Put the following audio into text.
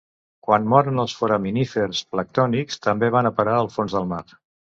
Quan moren els foraminífers planctònics també van a parar al fons del mar.